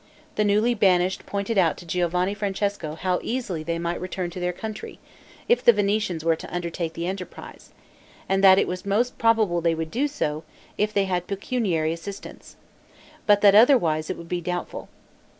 The newly banished pointed out to Giovanni Francesco how easily they might return to their country, if the Venetians were to undertake the enterprise, and that it was most probable they would do so, if they had pecuniary assistance, but that otherwise it would be doubtful.